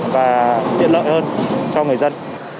và tiện lợi hơn cho người dân